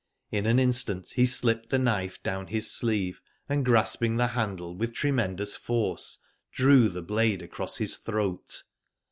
In an instant he slipped the knife down his sleeve, and, grasping the handle, with tremendous force drew the blade across his throat.